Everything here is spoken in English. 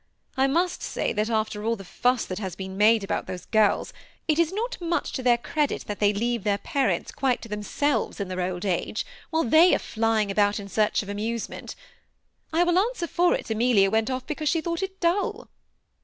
I must say, that after all the fuss that has been made about those girls, it is not much to their credit that they leave their parents quite to themselves in their old age, while they are flying about in search of amusement I will answer for it Amelia went off be cause she thought it dull."